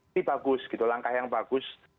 ini bagus gitu langkah yang bagus